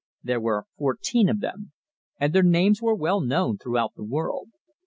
There were fourteen of them, and their names were known throughout the world.